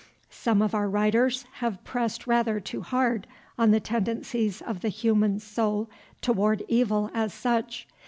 Some of our writers have pressed rather too hard on the tendencies of the human soul toward evil as such.